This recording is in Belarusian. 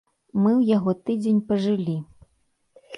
Мы ў яго тыдзень пажылі.